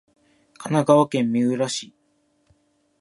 神奈川県三浦市